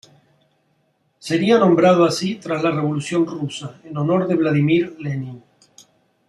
Sería nombrado así tras la Revolución rusa en honor de Vladímir Lenin.